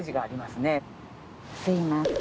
すいません。